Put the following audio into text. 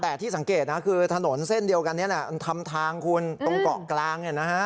แต่ที่สังเกตนะคือถนนเส้นเดียวกันเนี่ยทำทางคุณตรงเกาะกลางเนี่ยนะฮะ